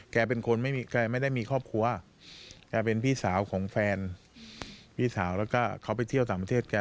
แกเป็นคนไม่ได้มีครอบครัวแกเป็นพี่สาวของแฟนพี่สาวแล้วก็เขาไปเที่ยวต่างประเทศแก